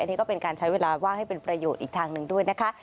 นี่ก็เป็นการใช้เวลาว่างให้เป็นประโยชน์อีกทางหนึ่งด้วยนะคะ